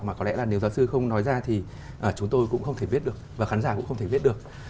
mà có lẽ là nếu giáo sư không nói ra thì chúng tôi cũng không thể biết được và khán giả cũng không thể biết được